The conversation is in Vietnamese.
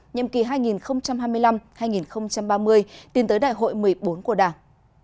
nhiệm kỳ hai nghìn hai mươi năm hai nghìn ba mươi tiến tới đại hội một mươi bốn của đảng